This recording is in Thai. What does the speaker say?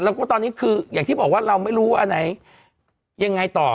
แล้วก็ตอนนี้คืออย่างที่บอกว่าเราไม่รู้อันไหนยังไงต่อ